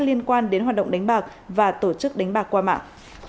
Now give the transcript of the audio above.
liên quan đến hoạt động đánh bạc và tổ chức đánh bạc qua mạng